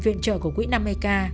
viện trợ của quỹ năm mươi k